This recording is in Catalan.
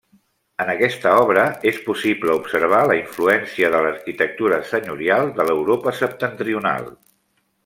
En aquesta obra és possible observar la influència de l'arquitectura senyorial de l'Europa septentrional.